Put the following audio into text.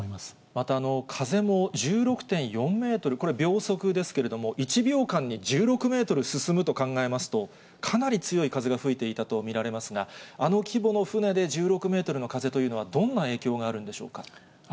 また、風も１６．４メートル、これ、秒速ですけれども、１秒間に１６メートル進むと考えますと、かなり強い風が吹いていたと見られますが、あの規模の船で、１６メートルの風というのは、どんな影響があるんでしょうか。